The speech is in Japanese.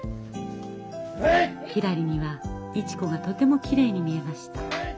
ひらりには市子がとてもきれいに見えました。